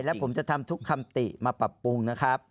และผมจะทำทุกคำติมาปรับปรุงนะครับ